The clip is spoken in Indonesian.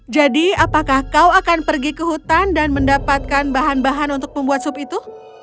jadi apakah kau akan pergi ke hutan dan mendapatkan bahan bahan untuk membuat sup itu